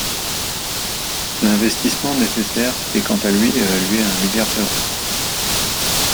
L'investissement nécessaire est quant à lui évalué à un milliard d'euros.